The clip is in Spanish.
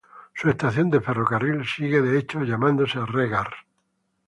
Su estación de ferrocarril sigue de hecho llamándose Regar.